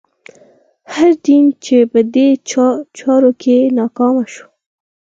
هر دین چې په دې چارو کې ناکامه شو.